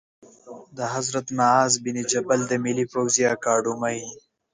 د حضرت معاذ بن جبل د ملي پوځي اکاډمۍ